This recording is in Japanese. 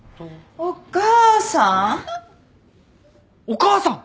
お母さん？